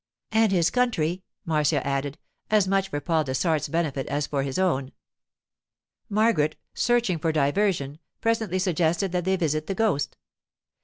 'And his country,' Marcia added, as much for Paul Dessart's benefit as for his own. Margaret, searching for diversion, presently suggested that they visit the ghost.